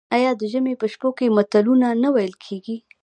آیا د ژمي په شپو کې متلونه نه ویل کیږي؟